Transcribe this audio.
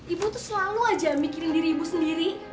ibu tuh selalu aja mikirin diri ibu sendiri